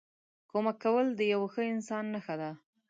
کمک کول د یوه ښه انسان نښه ده.